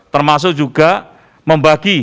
termasuk juga membagi